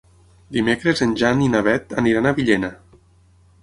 Dimecres en Jan i na Beth aniran a Villena.